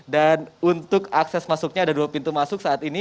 dan untuk akses masuknya ada dua pintu masuk saat ini